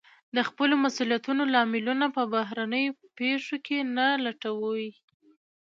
د خپلو مسوليتونو لاملونه په بهرنيو پېښو کې نه لټوي.